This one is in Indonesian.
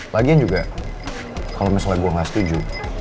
lagian juga kalau misalnya gue gak setuju